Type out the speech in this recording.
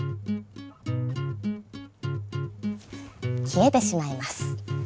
消えてしまいます。